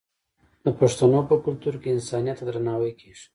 د پښتنو په کلتور کې انسانیت ته درناوی کیږي.